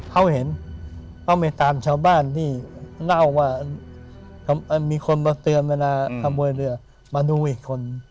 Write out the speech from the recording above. เขาเห็นเขาไปตามชาวบ้านที่เล่าว่ามีคนมาเตือนเวลาขโมยเรือมาดูอีกคน